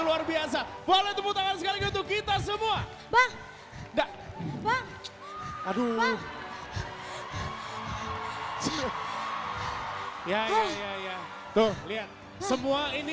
luar biasa boleh tepuk tangan sekali gitu kita semua bang gak aduh ya ya tuh lihat semua ini